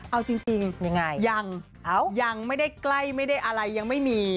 เอาจริงยังไงยังยังไม่ได้ใกล้ไม่ได้อะไรยังไม่มี